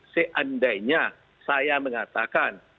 seandainya saya mengatakan